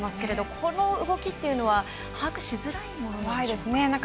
この動きというのは把握しづらいものなんでしょうか。